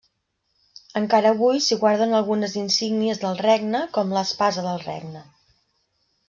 Encara avui s'hi guarden algunes insígnies del regne com l'espasa del regne.